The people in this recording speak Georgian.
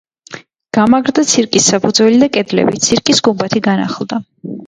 გამაგრდა ცირკის საფუძველი და კედლები, ცირკის გუმბათი განახლდა.